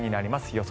予想